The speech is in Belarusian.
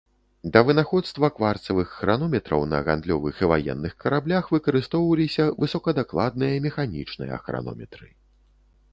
Да вынаходства кварцавых хранометраў, на гандлёвых і ваенных караблях выкарыстоўваліся высокадакладныя механічныя хранометры.